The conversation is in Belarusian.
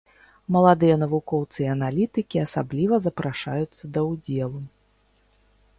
Маладыя навукоўцы і аналітыкі асабліва запрашаюцца да ўдзелу.